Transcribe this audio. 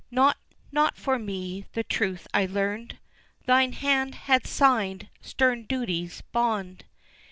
Not, not for me, the truth I learned, Thine hand had signed stern duty's bond.